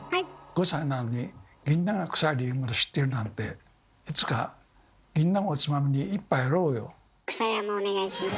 ５歳なのにぎんなんがクサい理由まで知ってるなんてくさやもお願いします。